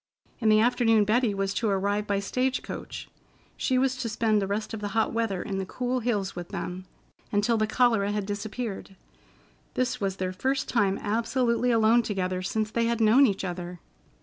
In the afternoon Betty was to arrive by stage coach. She was to spend the rest of the hot weather in the cool hills with them, until the cholera had disappeared. This was their first time absolutely alone together since they had known each other.